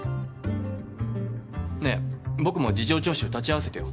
ねえ僕も事情聴取立ち会わせてよ。